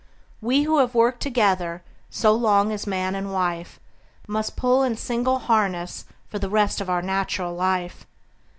We, who have worked together so long as man and wife, Must pull in single harness for the rest of our nat'ral life.